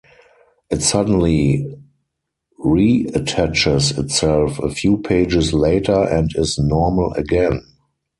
It suddenly reattaches itself a few pages later and is normal again.